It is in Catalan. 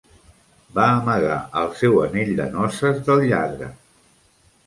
Va amagar el seu anell de noces del lladre.